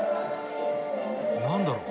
何だろう？